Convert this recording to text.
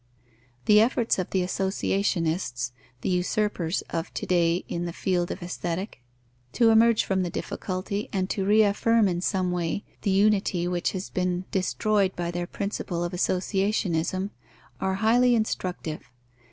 The efforts of the associationists (the usurpers of to day in the field of Aesthetic) to emerge from the difficulty, and to reaffirm in some way the unity which has been destroyed by their principle of associationism, are highly instructive.